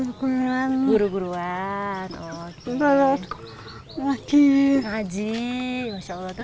sayang gak sama bapak sama ibu